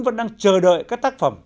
vẫn đang chờ đợi các tác phẩm